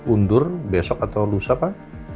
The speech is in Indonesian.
undur besok atau lusa pak